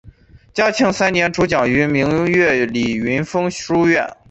嘉庆三年主讲于明月里云峰书院。